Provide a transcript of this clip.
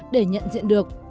để nhận diện được